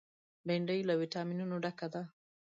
بېنډۍ له ویټامینونو ډکه ده